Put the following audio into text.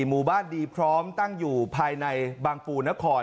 หมู่บ้านดีพร้อมตั้งอยู่ภายในบางปูนคร